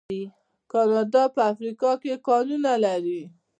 کاناډا په افریقا کې کانونه لري.